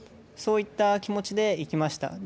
そういった気持ちでいきました。